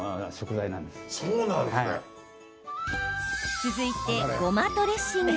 続いて、ごまドレッシング。